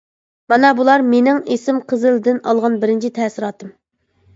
مانا بۇلار «مېنىڭ ئىسىم قىزىل» دىن ئالغان بىرىنچى تەسىراتىم.